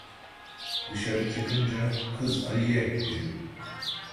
Dışarı çıkınca: "Kız Aliye!" dedim.